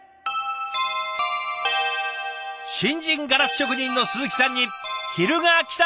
新人ガラス職人の鈴木さんに昼がきた！